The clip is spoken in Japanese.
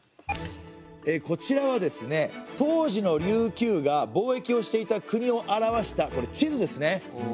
こちらはですね当時の琉球が貿易をしていた国を表した地図ですね。